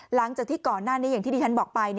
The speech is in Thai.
หลังจากที่ก่อนหน้านี้อย่างที่ที่ฉันบอกไป